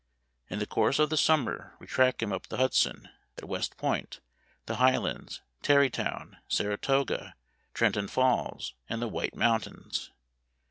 In the course of the summer we track him up the Hudson — at West Point, the Highlands, Tarrytown, Saratoga, Trenton Falls, and the White Mountains.